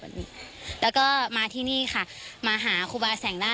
แล้วก็มาที่นี่ค่ะมาหาครูบาแสงล่า